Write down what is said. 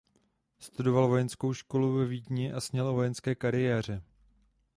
Studoval vojenskou školu ve Vídni a snil o vojenské kariéře.